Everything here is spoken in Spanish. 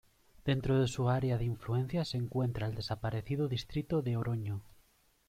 Dentro de su área de influencia se encuentra el desaparecido distrito de Oroño.